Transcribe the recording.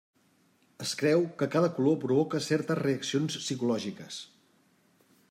Es creu que cada color provoca certes reaccions psicològiques.